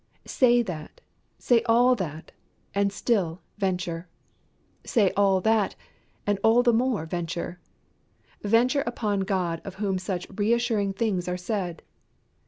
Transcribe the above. Say that, say all that, and still venture. Say all that and all the more venture. Venture upon God of whom such reassuring things are said.